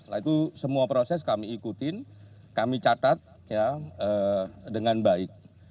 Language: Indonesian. nah itu semua proses kami ikutin kami catat dengan baik